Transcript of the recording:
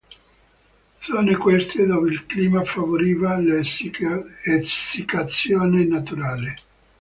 Zone, queste, dove il clima favoriva l’essiccazione naturale.